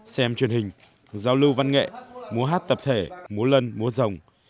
xem truyền hình giao lưu văn nghệ múa hát tập thể múa lân múa rồng